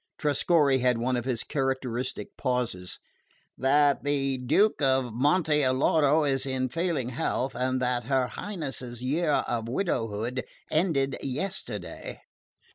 Trescorre had one of his characteristic pauses. "That the Duke of Monte Alloro is in failing health and that her Highness's year of widowhood ended yesterday."